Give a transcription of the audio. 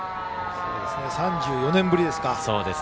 ３４年ぶりですか。